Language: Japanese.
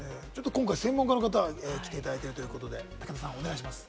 今回、専門家の方に来ていただいているということで武田さん、お願いします。